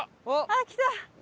あっ来た！